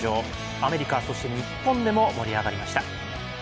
アメリカ、そして日本でも盛り上がりました。